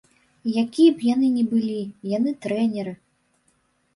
Якія б яны ні былі, яны трэнеры.